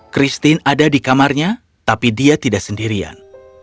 christine ada di kamarnya tapi dia tidak sendirian